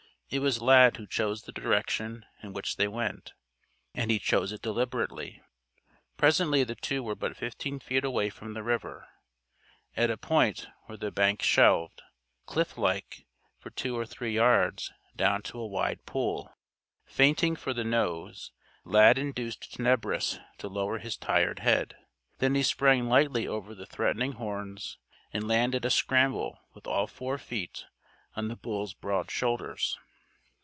It was Lad who chose the direction in which they went. And he chose it deliberately. Presently the two were but fifteen feet away from the river, at a point where the bank shelved, cliff like, for two or three yards, down to a wide pool. Feinting for the nose, Lad induced Tenebris to lower his tired head. Then he sprang lightly over the threatening horns, and landed, a scramble, with all four feet, on the bull's broad shoulders.